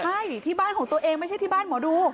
ใช่ที่บ้านของตัวเองไม่ใช่ที่บ้านหมอดู